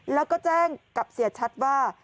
แล้วก็แจ้งกับเสียชัดว่า